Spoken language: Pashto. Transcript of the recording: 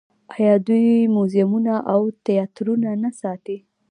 آیا دوی موزیمونه او تیاترونه نه ساتي؟